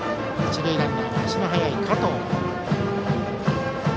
一塁ランナーは足の速い加藤。